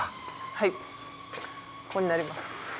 はいここになります。